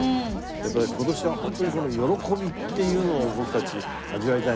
やっぱね今年は本当にこの歓びっていうのを僕たち味わいたいなと。